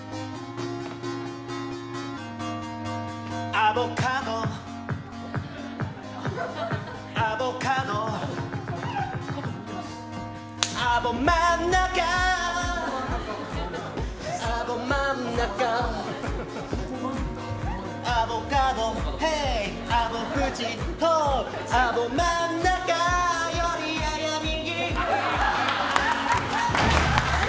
アボカドアボカドアボ真ん中アボ真ん中アボカド、ヘイアボふち、ホーアボ真ん中よりやや右！